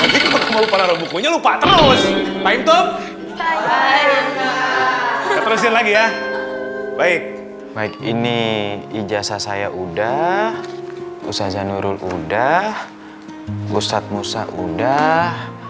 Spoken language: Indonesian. terima kasih ya baik baik ini ijazah saya udah usaha nurul udah ustadz musa udah